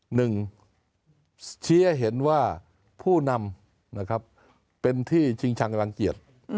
หนึ่งชี้ให้เห็นว่าผู้นำนะครับเป็นที่ชิงชังรังเกียจ